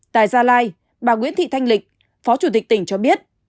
tại gia lai bà nguyễn thị thanh lịch phó chủ tịch tỉnh cho biết